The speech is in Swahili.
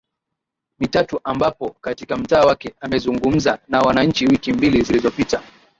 mitatu ambapo katika mtaa wake amezungumza na wananchi wiki mbili zilizopita